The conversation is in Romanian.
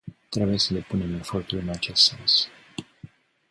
Trebuie să depunem eforturi în acest sens.